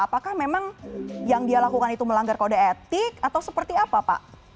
apakah memang yang dia lakukan itu melanggar kode etik atau seperti apa pak